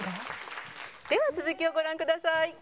では続きをご覧ください。